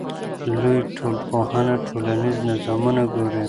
لویه ټولنپوهنه ټولنیز نظامونه ګوري.